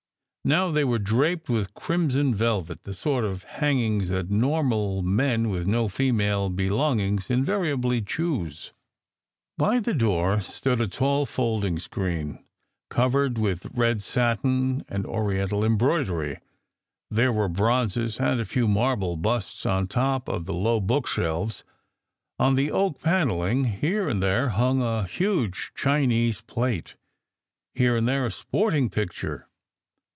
Now they were draped with crimson velvet, the sort of hangings that normal men with no female belongings invariably choose. By the door stood a tall folding screen, covered with red satin and oriental em broidery. There were bronzes and a few marble busts on top of the low bookshelves; on the oak panelling, here and there, hung a huge Chinese plate, here and there a sporting picture.